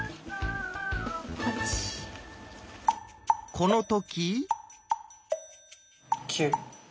この時。